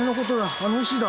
あの石だ。